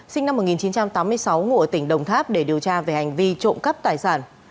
sinh năm một nghìn chín trăm tám mươi sáu ngụ tỉnh đồng tháp để điều tra về hành vi trộm cắp tài sản